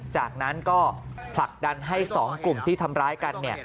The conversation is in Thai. จากนั้นก็ผลักดันให้๒กลุ่มที่ทำร้ายกัน